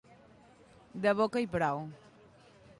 De boca i prou.